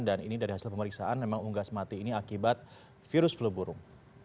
dan ini dari hasil pemeriksaan memang unggas mati ini akibat virus fleburung